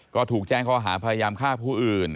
ก็ถูกแจ้งข้อหาพยายามฆ่าผู้อื่น